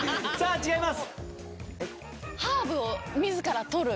違います。